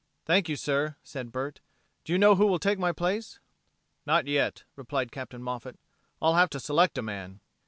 "Thank you, sir," said Bert. "Do you know who will take my place?" "Not yet," replied Captain Moffat. "I'll have to select a man."